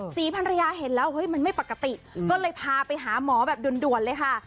ศรีภรรยาเห็นแล้วเฮ้ยมันไม่ปกติก็เลยพาไปหาหมอแบบด่วนเลยค่ะ